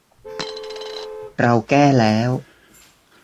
เราแก้แล้ว